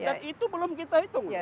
dan itu belum kita hitung